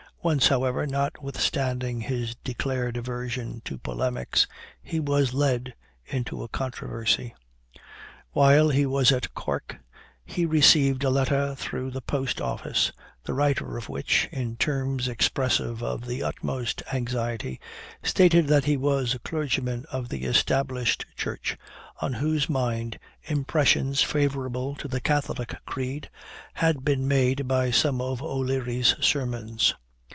Once, however, notwithstanding his declared aversion to polemics, he was led into a controversy. While he was at Cork, he received a letter through the Post Office, the writer of which, in terms expressive of the utmost anxiety, stated that he was a clergyman of the established church, on whose mind impressions favorable to the Catholic Creed had been made by some of O'Leary's sermons.